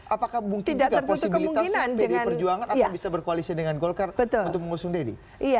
apakah mungkin juga posibilitas pdi perjuangan atau bisa berkoalisi dengan golkar untuk mengusung deddy